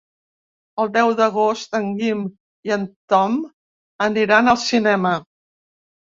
El deu d'agost en Guim i en Tom aniran al cinema.